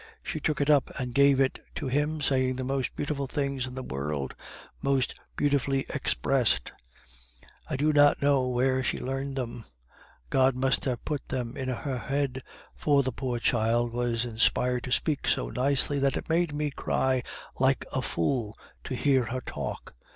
She took it up and gave it to him, saying the most beautiful things in the world, most beautifully expressed; I do not know where she learned them; God must have put them into her head, for the poor child was inspired to speak so nicely that it made me cry like a fool to hear her talk.